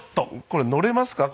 これ乗れますか？